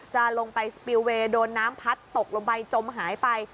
จะลงไปสปิลเวย์โดนน้ำพัดตกลงไปจมหายไป